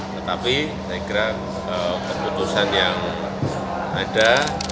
tetapi saya kira keputusan yang ada